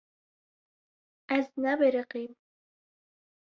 Ez nebiriqîm.